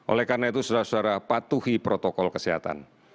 oleh karena itu saudara saudara patuhi protokol kesehatan